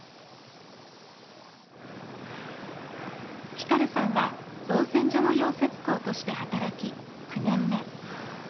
フィカルさんは造船所の溶接工として働き９年目。